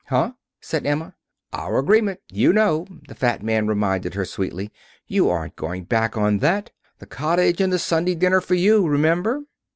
"Huh?" said Emma. "Our agreement, you know," the fat man reminded her, sweetly. "You aren't going back on that. The cottage and the Sunday dinner for you, remember."